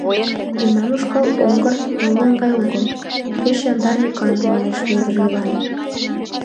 Мемнан ушкал оҥгыр молын гай огыл, пеш яндар йӱкан, — манеш Вӧдыр Йыван.